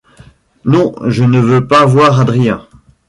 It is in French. Non, je ne veux pas voir Adrien.